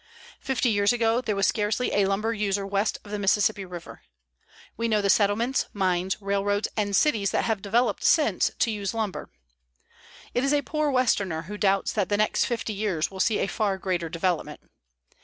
Fifty years ago there was scarcely a lumber user west of the Mississippi river. We know the settlements, mines, railroads and cities that have developed since to use lumber. It is a poor Westerner who doubts that the next fifty years will see a far greater development.